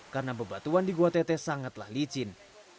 karena bebatuan di gua tetes sangatlah licin